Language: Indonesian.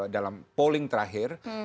dalam polling terakhir